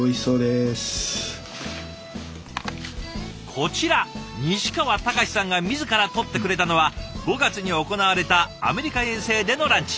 こちら西川隆さんが自ら撮ってくれたのは５月に行われたアメリカ遠征でのランチ。